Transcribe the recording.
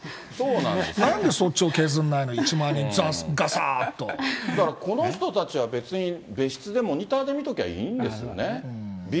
なんでそっちを削んないの、１万だからこの人たちは、別に別室で、モニターで見とけばいいんですよね。